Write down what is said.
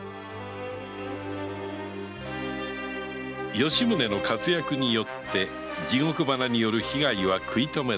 吉宗の活躍によって地獄花による被害は食い止められた